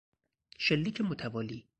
شلیک متوالی